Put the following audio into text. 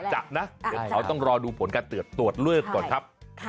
จะนะเดี๋ยวเขาต้องรอดูผลการตรวจตรวจเลือกก่อนครับ